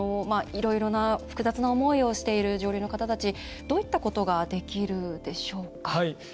いろいろな複雑な思いをしている上流の方たちどういったことができるでしょうか？